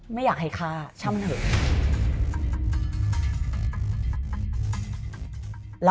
ไม่อยากให้ฆ่าช่ำเถอะ